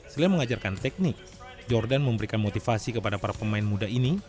selain mengajarkan teknik jordan memberikan motivasi kepada para pemain muda ini